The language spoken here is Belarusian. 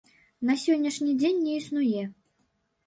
На сённяшні дзень не існуе.